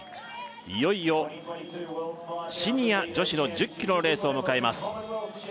いよいよシニア女子の１０ｋｍのレースを迎えます